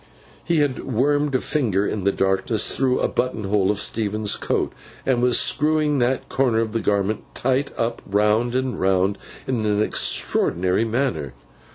He had wormed a finger, in the darkness, through a button hole of Stephen's coat, and was screwing that corner of the garment tight up round and round, in an extraordinary manner.